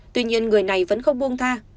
tuy nhiên người này vẫn không buông tha